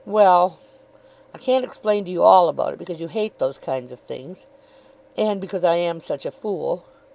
"Well; I can't explain to you all about it, because you hate those kinds of things." "And because I am such a fool."